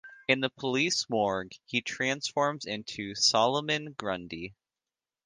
In the police morgue, he transforms into Solomon Grundy.